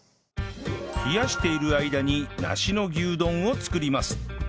冷やしている間に梨の牛丼を作ります